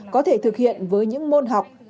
có thể thực hiện với những môn học